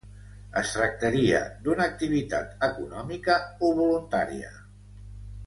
Es tractaria d'una activitat econòmica o voluntària?